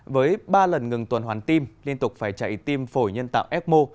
với ba lần ngừng tuần hoàn tim liên tục phải chạy tim phổi nhân tạo ecmo